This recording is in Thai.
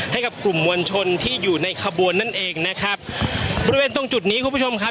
ให้กับกลุ่มมวลชนที่อยู่ในขบวนนั่นเองนะครับบริเวณตรงจุดนี้คุณผู้ชมครับ